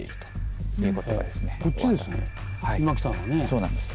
そうなんです。